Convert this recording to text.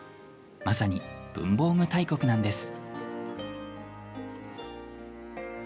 まさに文房具大国なんです。